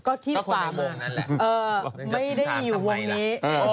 ก็ที่ฝ่ามือไม่ได้อยู่วงนี้